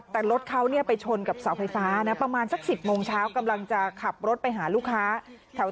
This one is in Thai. แต่รถเขาไปชนกับเสาไฟฟ้านะประมาณสัก๑๐โมงเช้ากำลังจะขับรถไปหาลูกค้าแถว